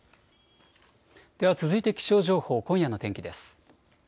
では続いて気象情報、今夜の天気です。